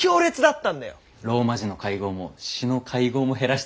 ローマ字の会合も詩の会合も減らしたよ。